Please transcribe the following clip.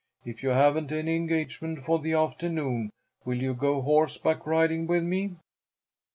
If you haven't any engagement for the afternoon will you go horseback riding with me?"